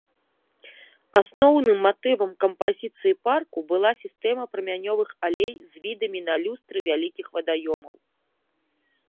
Асноўным матывам кампазіцыі парку была сістэма прамянёвых алей з відамі на люстры вялікіх вадаёмаў.